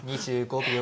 ２５秒。